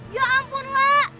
ya ampun lah